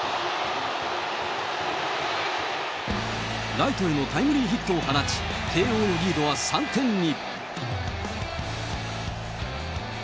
ライトへのタイムリーヒットを放ち、慶応のリードは３点に。